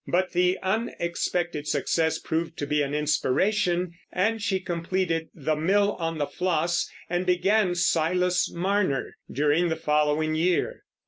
But the unexpected success proved to be an inspiration, and she completed The Mill on the Floss and began Silas Marner during the following year.